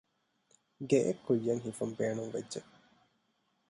ގެއެއްކުއްޔަށް ހިފަން ބޭނުންވެއްޖެ